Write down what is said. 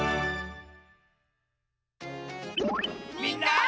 みんな！